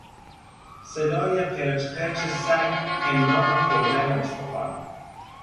صدای قرچ قرچ سگ هنگام خوردن استخوان